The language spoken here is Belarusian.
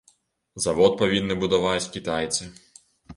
Завод павінны будаваць кітайцы.